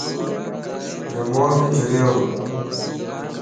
ريموٽ جريوَ